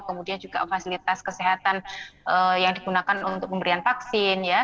kemudian juga fasilitas kesehatan yang digunakan untuk pemberian vaksin ya